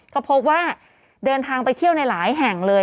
ก็พบว่าเดินทางไปเที่ยวในหลายแห่งเลย